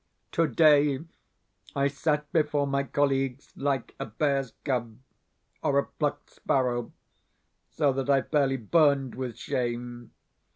Today I sat before my colleagues like a bear's cub or a plucked sparrow, so that I fairly burned with shame.